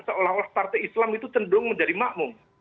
seolah olah partai islam itu cenderung menjadi makmum